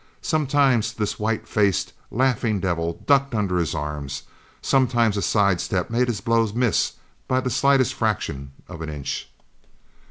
Sometimes this white faced, laughing devil ducked under his arms. Sometimes a sidestep made his blows miss by the slightest fraction of an inch.